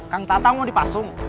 kang dadang mau dipasung